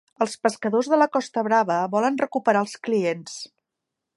Els pescadors de la Costa brava volen recuperar els clients.